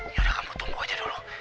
yaudah kamu tunggu aja dulu